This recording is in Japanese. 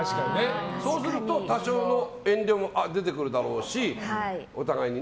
そうすると多少の遠慮も出てくるだろうしお互いに。